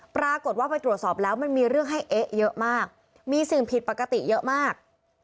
ปรากฏว่าไปตรวจสอบแล้วมันมีเรื่องให้เอ๊ะเยอะมากมีสิ่งผิดปกติเยอะมาก